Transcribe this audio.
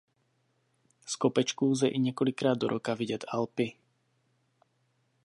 Z Kopečku lze i několikrát do roka vidět Alpy.